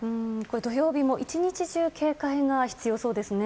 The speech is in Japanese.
土曜日も１日中警戒が必要そうですね。